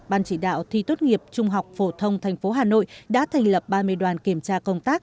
ban chỉ đạo thi tốt nghiệp trung học phổ thông tp hà nội đã thành lập ba mươi đoàn kiểm tra công tác